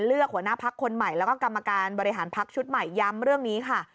หัวหน้าพักคนใหม่แล้วก็กรรมการบริหารพักชุดใหม่ย้ำเรื่องนี้ค่ะ